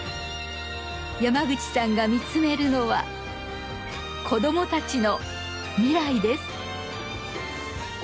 山口さんが見つめるのは子どもたちの未来です。